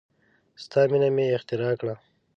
ستا مینه مې اختراع کړه